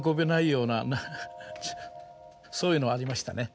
そういうのありましたね。